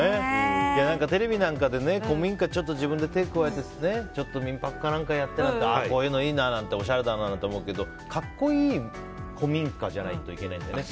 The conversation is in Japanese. テレビなんかで古民家を自分で手を加えて民泊か何かやってるとこういうのいいなおしゃれだななんて思うけど格好いい古民家じゃないといけないんだよね。